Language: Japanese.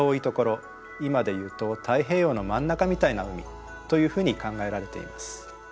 今でいうと太平洋の真ん中みたいな海というふうに考えられています。